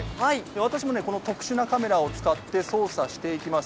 私も特殊なカメラを使って操作していきます。